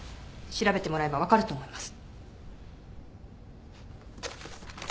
調べてもらえば分かると思います。